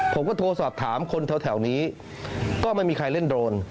ผมก็โทรสอบถามคนแถวนี้ก็ไม่มีใครเล่นโรน